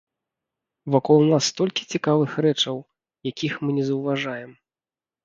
Вакол нас столькі цікавых рэчаў, якіх мы не заўважаем!